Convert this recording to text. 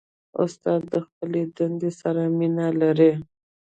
استاد د خپلې دندې سره مینه لري.